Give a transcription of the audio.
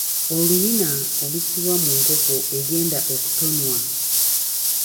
Oluyina olusibibwa mu nkoko egenda okutonwa.